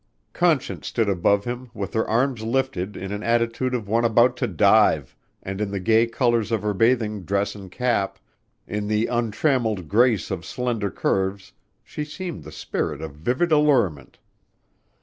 Conscience stood above him with her arms lifted in an attitude of one about to dive and in the gay colors of her bathing dress and cap; in the untrammeled grace of slender curves she seemed the spirit of vivid allurement.